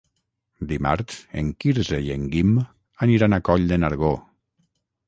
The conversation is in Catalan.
Dimarts en Quirze i en Guim aniran a Coll de Nargó.